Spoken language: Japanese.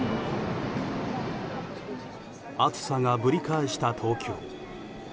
暑さがぶり返した東京。